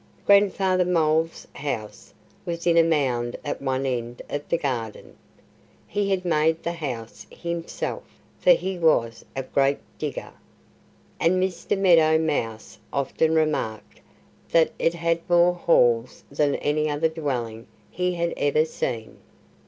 Grandfather Mole's house was in a mound at one end of the garden. He had made the house himself, for he was a great digger. And Mr. Meadow Mouse often remarked that it had more halls than any other dwelling he had ever seen.